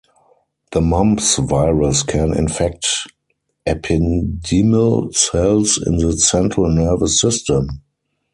The mumps virus can infect ependymal cells in the central nervous system.